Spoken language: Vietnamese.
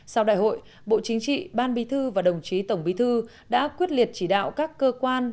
sau đại hội bộ chính trị ban bí thư và đồng chí tổng bí thư đã quyết liệt chỉ đạo các cơ quan